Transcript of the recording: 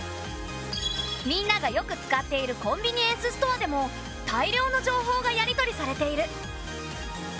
みんながよく使っているコンビニエンスストアでも大量の情報がやり取りされている。